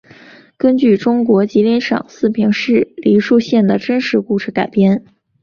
根据中国吉林省四平市梨树县的真实故事改编。